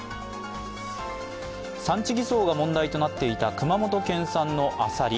産地偽装が問題となっていた熊本県産のアサリ。